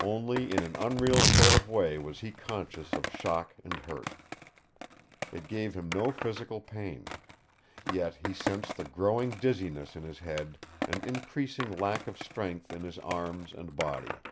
Only in an unreal sort of way was he conscious of shock and hurt. It gave him no physical pain. Yet he sensed the growing dizziness in his head, an increasing lack of strength in his arms and body.